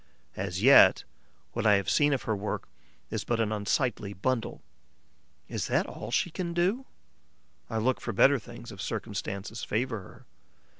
As yet, what I have seen of her work is but an unsightly bundle. Is that all she can do? I look for better things if circumstances favour her.